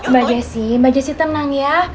mbak jessy mbak jessy tenang ya